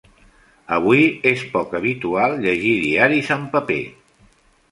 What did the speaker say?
Avui és poc habitual llegir diaris en paper.